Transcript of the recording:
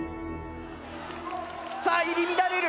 さあ入り乱れる！